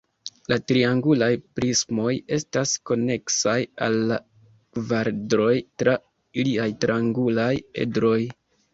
La triangulaj prismoj estas koneksaj al la kvaredroj tra iliaj triangulaj edroj.